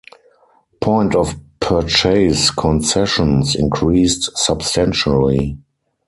Point-of-purchase concessions increased substantially.